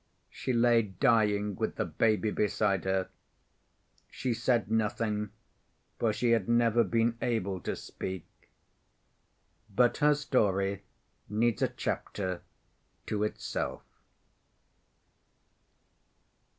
She lay dying with the baby beside her. She said nothing, for she had never been able to speak. But her story needs a chapter to itself.